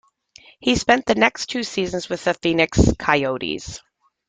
He spent the next two seasons with the Phoenix Coyotes.